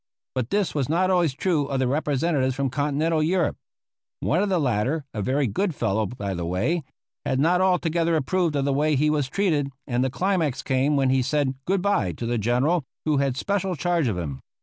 But this was not always true of the representatives from Continental Europe. One of the latter a very good fellow, by the way had not altogether approved of the way he was treated, and the climax came when he said good by to the General who had special charge of him.